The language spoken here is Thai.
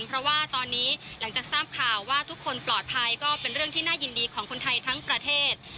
เพราะว่าตอนนี้หลังจากทราบข่าวว่าทุกคนปลอดภัยก็เป็นเรื่องที่น่ายินดีของคนไทยทั้งประเทศ